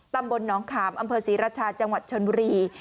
ตำบลน้องขามอำเภอศรีราชาจังหวัดชนบุรี